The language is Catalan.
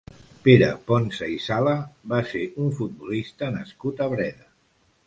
Pere Ponsa i Sala va ser un futbolista nascut a Breda.